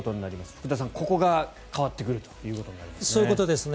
福田さん、ここが変わってくるということになりますね。